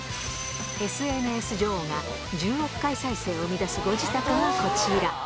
ＳＮＳ女王が１０億回再生を生み出すご自宅がこちら。